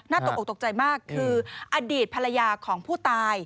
ตกออกตกใจมากคืออดีตภรรยาของผู้ตาย